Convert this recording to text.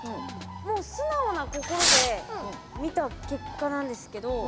もう素直な心で見た結果なんですけど。